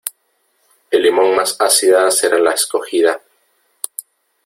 El limón más ácida será la escogida.